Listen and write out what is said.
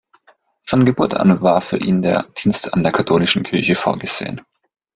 Von Geburt an war für ihn der Dienst in der katholischen Kirche vorgesehen.